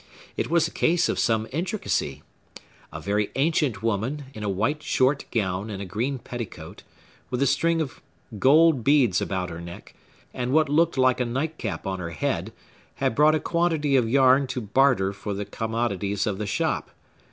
It was a case of some intricacy. A very ancient woman, in a white short gown and a green petticoat, with a string of gold beads about her neck, and what looked like a nightcap on her head, had brought a quantity of yarn to barter for the commodities of the shop.